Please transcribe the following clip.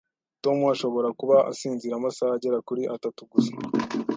Tom ashobora kuba asinzira amasaha agera kuri atatu gusa